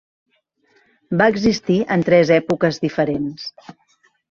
Va existir en tres èpoques diferents.